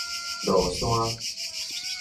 落山